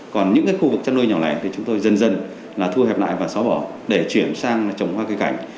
còn những cái khu vực trăn nuôi nhỏ này thì chúng tôi dần dần là thu hẹp lại và xóa bỏ để chuyển sang trồng hoa cây cảnh